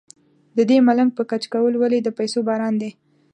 ددې ملنګ په کچکول ولې د پیسو باران دی.